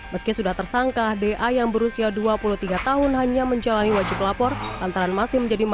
meski sudah tersangka da yang berusia dua puluh tiga tahun hanya menjalani wajib lapor lantaran masih menjadi